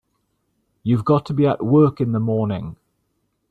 You've got to be at work in the morning.